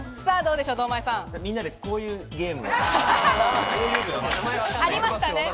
みんなで、こういうゲーム。